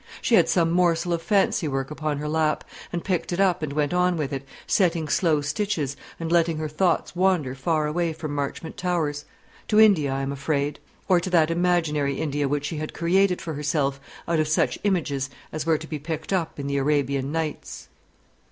She had some morsel of fancy work upon her lap, and picked it up and went on with it, setting slow stitches, and letting her thoughts wander far away from Marchmont Towers to India, I am afraid; or to that imaginary India which she had created for herself out of such images as were to be picked up in the "Arabian Nights."